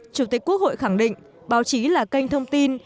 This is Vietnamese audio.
chủ tịch quốc hội khẳng định báo chí là kênh thông tin